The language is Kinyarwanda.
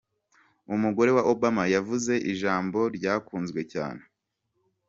Umugore wa Obama yavuze ijambo ryakunzwe cyane